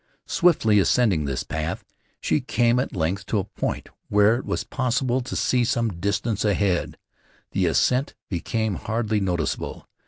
Swiftly ascending this path she came at length to a point where it was possible to see some distance ahead. The ascent became hardly noticeable.